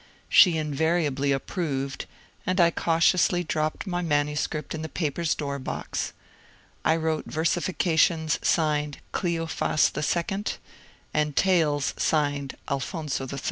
She invariably approved, and I cautiously dropped my manuscript in the paper's door box. I wrote versifications signed ^^ Cleofas II," and tales signed ^^Alphonso III."